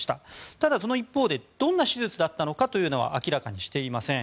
ただ、その一方でどんな手術だったのかというのは明らかにしていません。